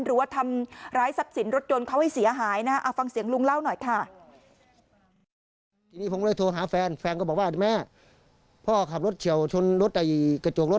หรือว่าทำร้ายทรัพย์สินรถโจรเขาให้เสียหายนะ